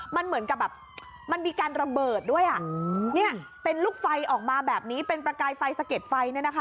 มันเหมือนกับแบบมันมีการระเบิดด้วยเป็นลูกไฟออกมาแบบนี้เป็นประกายไฟสะเก็ดไฟ